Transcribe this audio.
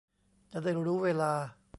จะได้รู้เวลา